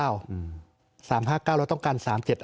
๓๕๙แล้วต้องการ๓๗๕